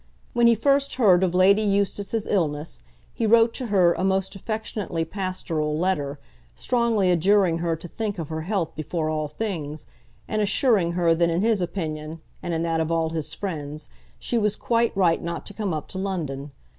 When he first heard of Lady Eustace's illness, he wrote to her a most affectionately pastoral letter, strongly adjuring her to think of her health before all things, and assuring her that in his opinion, and in that of all his friends, she was quite right not to come up to London.